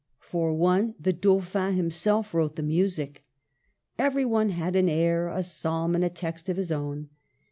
For one the Dauphin himself wrote the music. Every one had an air, a psalm, and a text of his own.